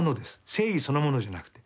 正義そのものじゃなくて。